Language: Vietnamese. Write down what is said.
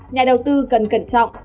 nhà đầu tư cần cẩn trọng